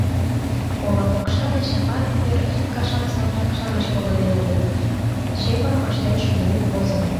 Ола покшелне Чапаев йыр ик кашак салтак-шамыч погынен улыт, чепым ыштен шуйнен возыныт.